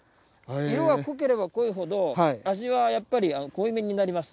色が濃ければ濃いほど味はやっぱり濃い目になります。